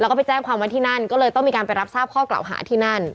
แล้วก็ไปแจ้งความว่าที่นั่นก็เลยต้องมีการไปรับทราบข้อกล่าวหาที่นั่น